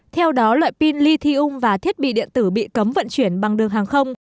theo đó loại pin lithium và thiết bị điện tử bị cấm vận chuyển bằng đường hàng không